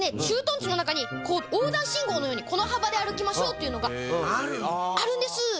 駐屯地の中に横断信号のようにこの幅で歩きましょうっていうのがあるんです。